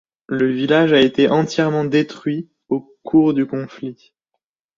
Le village a été entièrement détruit au cours du conflit.